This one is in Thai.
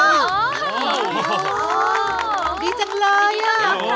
โอ้โหดีจังเลยอ่ะ